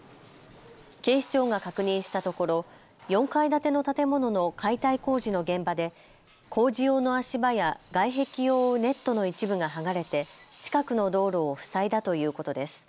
警視庁が確認したところ４階建ての建物の解体工事の現場で工事用の足場や外壁を覆うネットの一部が剥がれて近くの道路を塞いだということです。